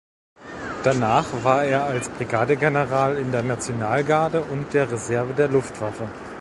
Danach war er als Brigadegeneral in der Nationalgarde und der Reserve der Luftwaffe.